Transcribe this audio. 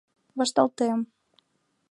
Вашталтем.